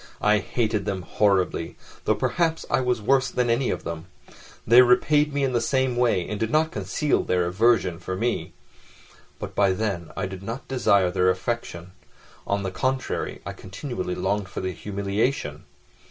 I hated them horribly, though perhaps I was worse than any of them. They repaid me in the same way, and did not conceal their aversion for me. But by then I did not desire their affection: on the contrary, I continually longed for their humiliation.